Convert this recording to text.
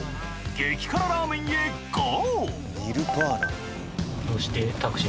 激辛ラーメンへゴー！